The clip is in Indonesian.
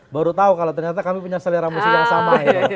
baru tahu kalau ternyata kami punya selera musik yang sama